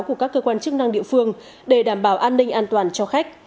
của các cơ quan chức năng địa phương để đảm bảo an ninh an toàn cho khách